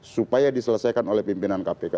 supaya diselesaikan oleh pimpinan kpk